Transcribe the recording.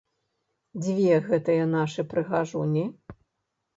Дзе гэтыя нашы прыгажуні?